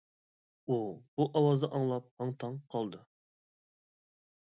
ئۇ بۇ ئاۋازنى ئاڭلاپ ھاڭ-تاڭ قالدى.